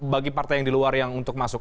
bagi partai yang di luar yang untuk masuk